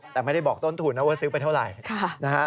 แต่ไม่ได้บอกต้นทุนนะว่าซื้อไปเท่าไหร่นะฮะ